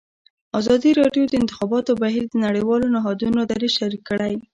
ازادي راډیو د د انتخاباتو بهیر د نړیوالو نهادونو دریځ شریک کړی.